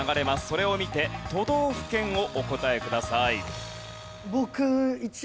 それを見て都道府県をお答えください。